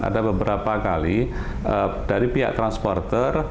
ada beberapa kali dari pihak transporter